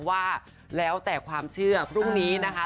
ว่าแล้วแต่ความเชื่อพรุ่งนี้นะคะ